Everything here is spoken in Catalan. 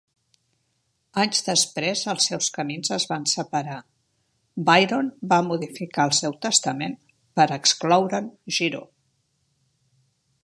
Anys després els seus camins es van separar, Byron va modificar el seu testament per excloure'n Giraud.